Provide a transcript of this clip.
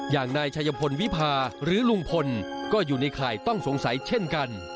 อย่างนายชัยพลวิพาหรือลุงพลก็อยู่ในข่ายต้องสงสัยเช่นกัน